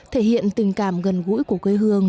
thể hiện tình cảm gần gũi của quê hương